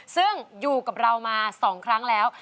ซึ่งอยู่กับเรามา๒ครั้งแล้ว